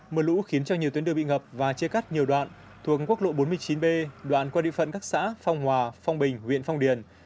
mưa lũ khiến cho nhiều tuyến đường bị ngập và chia cắt nhiều đoạn thuộc quốc lộ bốn mươi chín b đoạn qua địa phận các xã phong hòa phong bình huyện phong điền